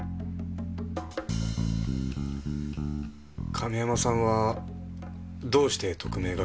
亀山さんはどうして特命係に？